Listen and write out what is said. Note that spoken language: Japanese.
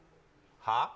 はあ？